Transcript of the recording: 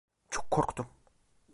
Çok korktum.